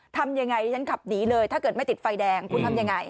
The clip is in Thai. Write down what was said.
ทำยังไงฉันขับหนีเลยถ้าเกิดไม่ติดไฟแดงคุณทำยังไง